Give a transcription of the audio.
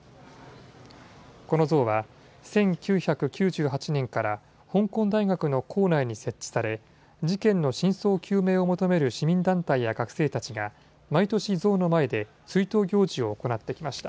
この像は１９９８年から香港大学の構内に設置され事件の真相究明を求める市民団体や学生たちが毎年、像の前で追悼行事を行ってきました。